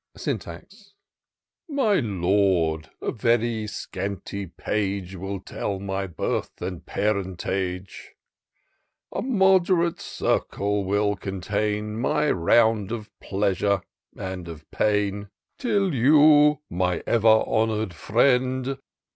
Syntax. " My Lord, a very scanty page Will tell my birth and parentage IN SEARCH OF THE PICTURESQUE. 281 A mod'rate circle will contain My round of pleasure and of pain, Till you, my ever.honour'd friend.